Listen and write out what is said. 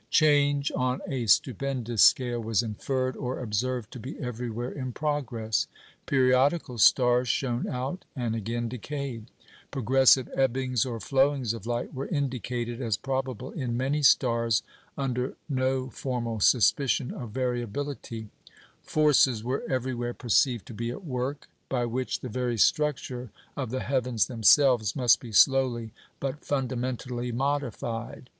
Change on a stupendous scale was inferred or observed to be everywhere in progress. Periodical stars shone out and again decayed; progressive ebbings or flowings of light were indicated as probable in many stars under no formal suspicion of variability; forces were everywhere perceived to be at work, by which the very structure of the heavens themselves must be slowly but fundamentally modified.